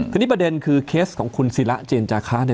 ทีนี้ประเด็นคือเคสของคุณศิระเจนจาคะเนี่ย